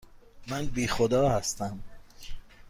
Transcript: من بی خدا هستم.